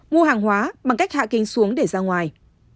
mua hàng hóa bằng cách hạ kính xuống để ra ngoài